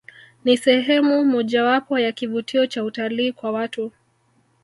Ni sehemu mojawapo ya kivutio Cha utalii kwa watu